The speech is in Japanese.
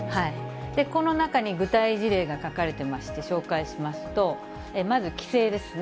この中に具体事例が書かれてまして、紹介しますと、まず帰省ですね。